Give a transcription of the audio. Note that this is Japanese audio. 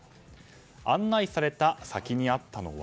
案内された先にあったのは。